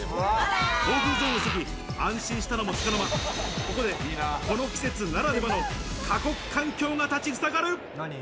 暴風ゾーンを過ぎ、安心したのもつかの間、ここでこの季節ならではの過酷環境が立ちふさがる。